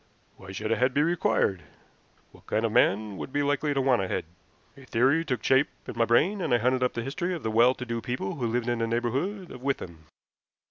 Why should a head be required? What kind of man would be likely to want a head? A theory took shape in my brain, and I hunted up the history of the well to do people who lived in the neighborhood of Withan.